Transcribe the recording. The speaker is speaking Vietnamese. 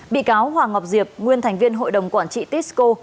bị cáo hoàng ngọc diệp nguyên thành viên hội đồng quản trị tisco